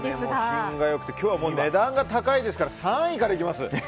品が良くて今日は値段が高いですから３位からいきます。